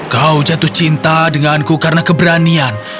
kau jatuh cinta denganku karena keberanian